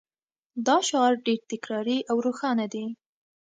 دا شعار ډیر تکراري او روښانه دی